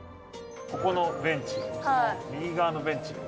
ここのベンチ、右側のベンチ。